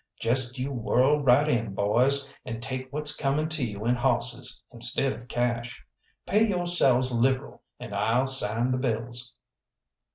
Jest you whirl right in, boys, and take what's coming to you in hawsses instead of cash. Pay yo'selves liberal, and I'll sign the bills."